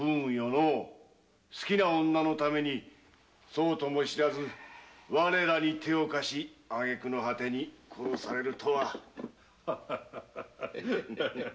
のう好きな女のためにそれと知らずに我らに手を貸しあげくの果てに殺されるとはハハハ。